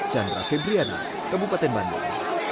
jandara febriana kabupaten bandung